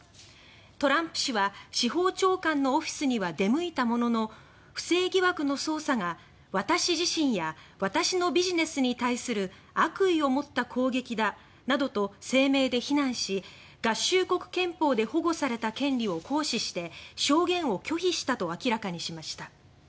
トランプ氏は司法長官のオフィスには出向いたものの不正疑惑の捜査が私自身や私のビジネスに対する悪意をもった攻撃だなどと声明で非難し合衆国憲法で保護された権利を行使して証言を拒否したと明らかにしました。